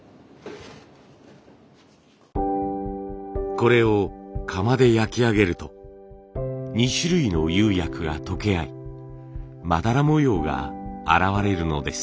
これを窯で焼き上げると２種類の釉薬が溶け合いまだら模様が現れるのです。